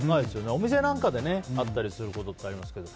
お店なんかで会ったりすることってありますけど。